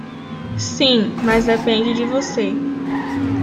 Sim, mas depende de você.